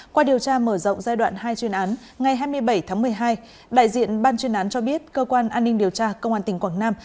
qua điều tra mở rộng giai đoạn hai chuyên án ngày hai mươi bảy tháng một mươi hai đại diện ban chuyên án cho biết cơ quan an ninh điều tra công an tỉnh quảng nam